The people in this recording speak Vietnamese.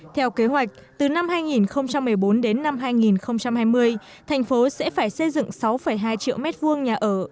theo kế hoạch từ năm hai nghìn một mươi bốn đến năm hai nghìn hai mươi thành phố sẽ phải xây dựng sáu hai triệu m hai nhà ở